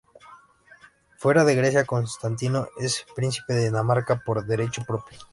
Fuera de Grecia, Constantino es príncipe de Dinamarca por derecho propio.